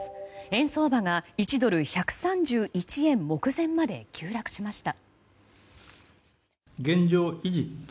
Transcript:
円相場が１ドル＝１３１円目前まで急落しました。